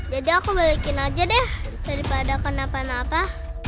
jadi aku balikin aja deh daripada kenapa napa